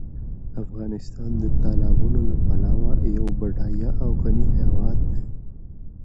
افغانستان د تالابونو له پلوه یو بډایه او غني هېواد دی.